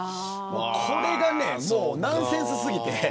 これがナンセンス過ぎて。